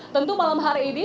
tentu malam hari ini